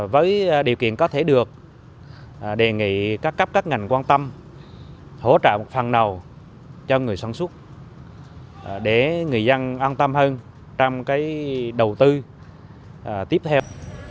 với điều kiện có thể được đề nghị các cấp các ngành quan tâm hỗ trợ phần đầu cho người sản xuất để người dân an tâm hơn trong đầu tư tiếp theo